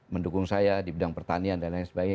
mendukung saya di bidang pertanian dan lain sebagainya